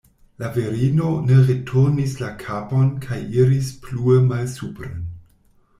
La virino ne returnis la kapon kaj iris plue malsupren.